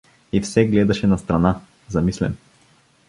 И все гледаше настрана, замислен.